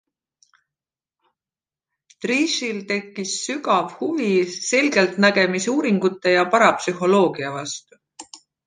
Drieschil tekkis sügav huvi selgeltnägemisuuringute ja parapsühholoogia vastu.